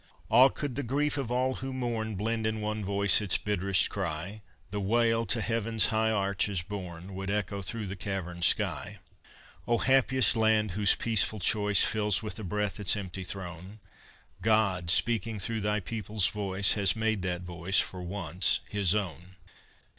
Ah, could the grief of all who mourn Blend in one voice its bitter cry, The wail to heaven's high arches borne Would echo through the caverned sky. II O happiest land, whose peaceful choice Fills with a breath its empty throne! God, speaking through thy people's voice, Has made that voice for once his own.